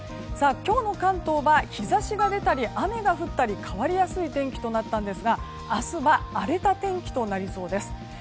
今日の関東は日差しが出たり雨が降ったり、変わりやすい天気となったんですが明日は荒れた天気となりそうです。